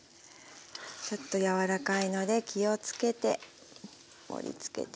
ちょっと柔らかいので気を付けて盛りつけていきます。